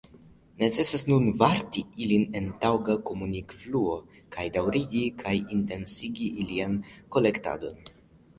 Necesas nun varti ilin en taŭga komunikfluo kaj daŭrigi kaj intensigi ilian kolektadon.